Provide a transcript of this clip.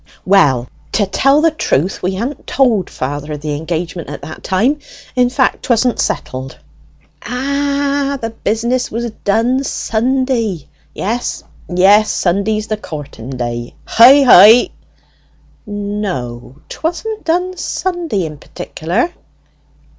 "Well, to say the truth, we hadn't told father of the engagement at that time; in fact, 'twasn't settled." "Ah! the business was done Sunday. Yes, yes, Sunday's the courting day. Heu heu!" "No, 'twasn't done Sunday in particular."